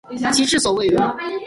其治所位于。